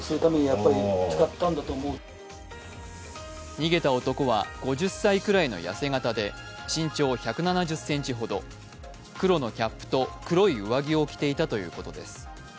逃げた男は５０歳くらいの痩せ形で身長１７０ｃｍほど黒のキャップと黒い上着を着ていたということです。